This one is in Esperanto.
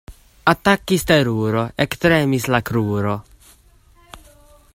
Atakis teruro, ektremis la kruro.